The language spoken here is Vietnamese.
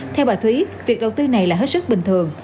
theo bà thúy việc đầu tư này là hết sức bình thường